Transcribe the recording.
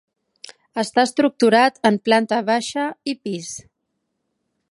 Està estructurat en planta baixa i pis.